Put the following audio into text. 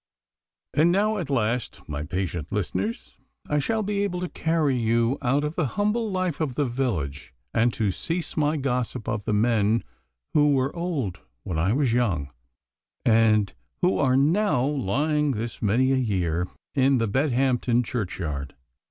And now at last, my patient listeners, I shall be able to carry you out of the humble life of the village, and to cease my gossip of the men who were old when I was young, and who are now lying this many a year in the Bedhampton churchyard.